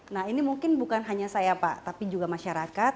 nah ini mungkin bukan hanya saya pak tapi juga masyarakat